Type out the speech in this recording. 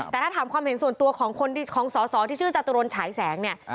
แต่ถ้าถามความเห็นส่วนตัวของสอสอที่ชื่อจตุรนฉายแสงเนี่ย